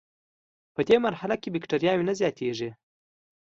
پدې مرحله کې بکټریاوې نه زیاتیږي.